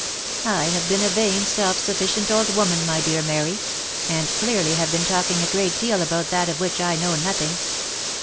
I have been a vain self sufficient old woman, my dear Mary, and clearly have been talking a great deal about that of which I know nothing.